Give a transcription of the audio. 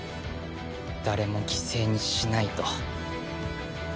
誰も犠牲にしないと。